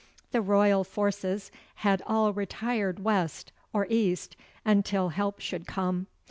The royal forces had all retired west, or east, until help should come.